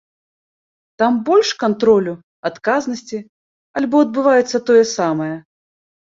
Там больш кантролю, адказнасці альбо адбываецца тое самае?